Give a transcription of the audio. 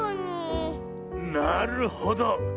なるほど。